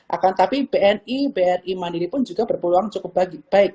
akan tapi bni bni mandiri pun juga berpeluang cukup baik